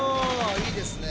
いいですね。